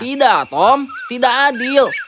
tidak tom tidak adil